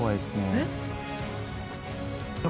えっ？